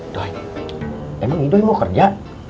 doi emang idoi mau kerja